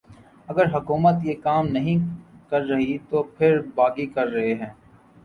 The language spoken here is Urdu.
اگر حکومت یہ کام نہیں کررہی تو پھر باغی کررہے ہیں